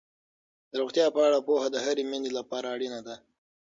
د روغتیا په اړه پوهه د هرې میندې لپاره اړینه ده.